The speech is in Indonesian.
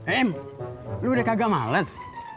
ehm lu udah kagak males